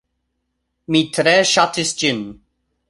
Mi tre ŝatis ĝin.